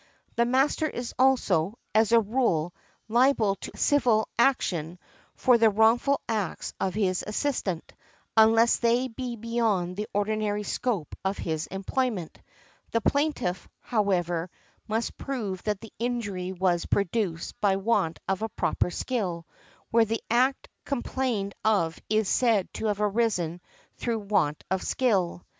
The master is also, as a rule, liable to a civil action for the wrongful acts of his assistant, unless they be beyond the ordinary scope of his employment; the plaintiff, however, must prove that the injury was produced by want of proper skill, where the act complained of is said to have arisen through want of skill .